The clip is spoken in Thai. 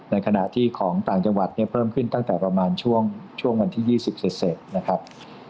ในขณะที่ของต่างจังหวัดเนี่ยเพิ่มขึ้นตั้งแต่ประมาณช่วงวันที่๒๐เสร็จนะครับ